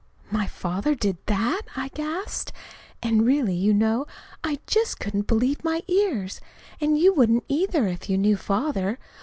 '" "My father did that?" I gasped. And, really, you know, I just couldn't believe my ears. And you wouldn't, either, if you knew Father.